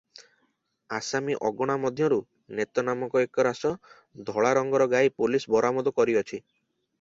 ଆସାମୀ ଅଗଣା ମଧ୍ୟରୁ ନେତ ନାମକ ଏକରାସ ଧଳା ରଙ୍ଗର ଗାଈ ପୋଲିସ ବରାମଦ କରିଅଛି ।